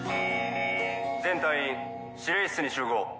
全隊員司令室に集合！